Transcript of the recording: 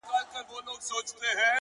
• ورته پېښه ناروغي سوله د سترګو ,